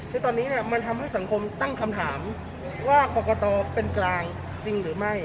คือตอนนี้เนี่ยมันทำให้สังคมตั้งคำถามว่ากรกตเป็นกลางจริงหรือไม่